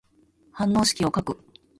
反応式を書く。